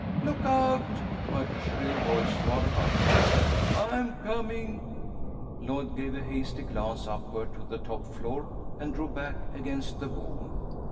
"Look out!" piped a shrill voice far above her. "I'm coming!" Lloyd gave a hasty glance upward to the top floor, and drew back against the wall.